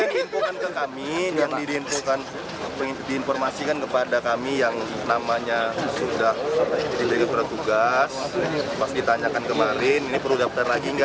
sudah diberi surat tugas pas ditanyakan kemarin ini perlu daftar lagi nggak